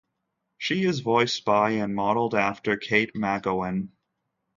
She is voiced by and modeled after Kate Magowan.